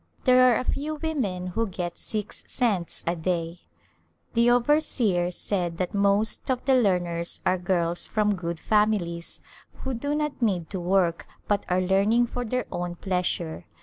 There are a few women who get six cents a day. The overseer said that most of the learners are girls from good families who do not need to work but are learning for their own pleasure.